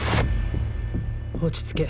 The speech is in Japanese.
落ち着け